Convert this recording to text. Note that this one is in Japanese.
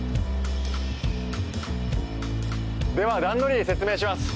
では段取り説明します。